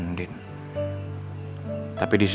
menyampaikan soal surat palsu nyari kiki ke andin